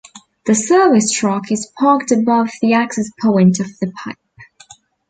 The service truck is parked above the access point of the pipe.